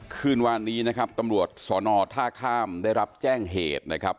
คืนวานนี้นะครับตำรวจสอนอท่าข้ามได้รับแจ้งเหตุนะครับ